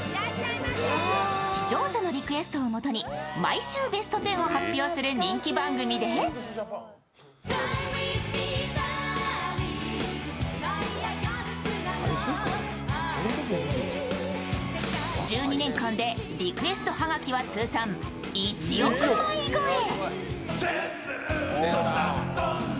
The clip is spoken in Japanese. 視聴者のリクエストをもとに毎週ベストテンを発表する人気番組で１２年間でリクエスト葉書は通算１億枚超え。